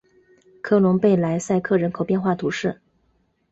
科隆贝莱塞克人口变化图示